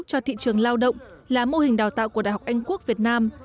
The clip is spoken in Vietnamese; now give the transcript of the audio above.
cho thị trường lao động là mô hình đào tạo của đại học anh quốc việt nam